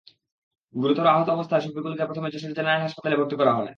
গুরুতর আহত অবস্থায় শফিকুলকে প্রথমে যশোর জেনারেল হাসপাতালে ভর্তি করা হয়।